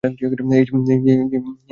এই যে, আপনি!